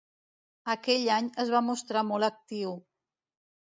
Aquell any es va mostrar molt actiu.